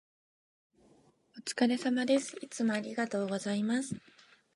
お疲れ様です。いつもありがとうございます。